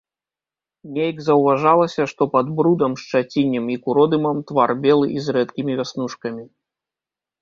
Нейк заўважалася, што пад брудам, шчаціннем і куродымам твар белы і з рэдкімі вяснушкамі.